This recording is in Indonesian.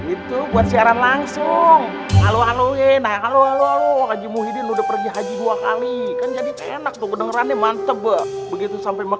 itu buat siaran langsung alo alohi nah alo alohi haji muhyiddin udah pergi haji